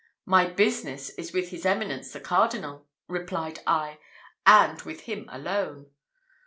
"My business is with his eminence the Cardinal," replied I, "and with him alone."